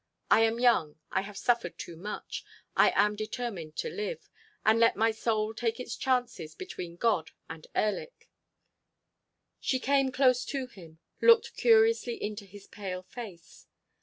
I am young. I have suffered too much; I am determined to live—and let my soul take its chances between God and Erlik." She came close to him, looked curiously into his pale face.